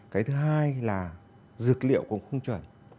cái thứ hai là dược liệu cũng không chuẩn